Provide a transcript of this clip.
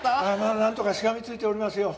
あなんとかしがみついておりますよ。